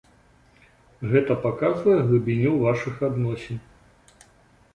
Гэта паказвае глыбіню вашых адносін.